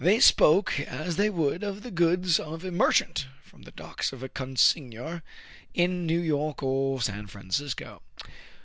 They spoke as they would of the goods of a merchant from the docks of a consignor in New York or San Francisco.